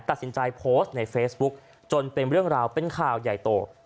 ตัดสินใจโพสต์ในเฟซบุ๊กจนเป็นเรื่องราวเป็นข่าวใหญ่โต